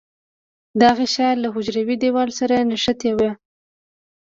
دا غشا له حجروي دیوال سره نښتې وي.